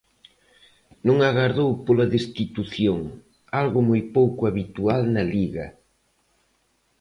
Non agardou pola destitución, algo moi pouco habitual na Liga.